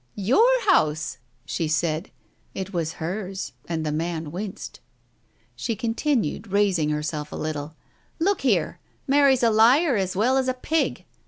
"Your house! " she said. It was hers and the man winced, ... She continued, raising herself a little. "Look here! Mary's a liar as well as a pig.